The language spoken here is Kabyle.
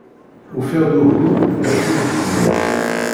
Ufiɣ-d ugur iɣef ur dmiɣ.